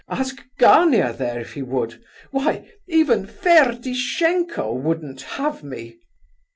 Ask Gania, there, whether he would. Why, even Ferdishenko wouldn't have me!"